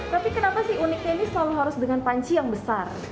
tapi kenapa sih uniknya ini selalu harus dengan panci yang besar